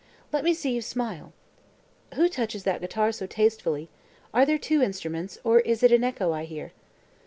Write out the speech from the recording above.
Let me see you smile. Who touches that guitar so tastefully? are there two instruments, or is it an echo I hear?"